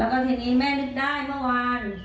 แล้วก็ทีนี้แม่นึกได้เมื่อวาน